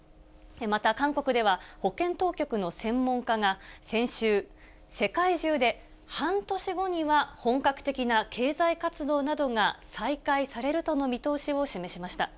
また韓国では、保健当局の専門家が、先週、世界中で半年後には本格的な経済活動などが再開されるとの見通しを示しました。